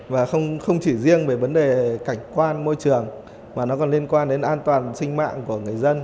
và không chỉ riêng về vấn đề cảnh quan môi trường mà nó còn liên quan đến an toàn sinh mạng của người dân